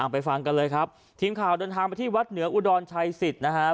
ไปฟังกันเลยครับทีมข่าวเดินทางไปที่วัดเหนืออุดรชัยสิทธิ์นะฮะ